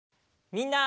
みんな！